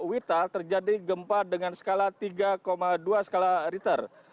tadi saja ketika pukul dua belas tiga puluh wita terjadi gempa dengan skala tiga dua skala ritter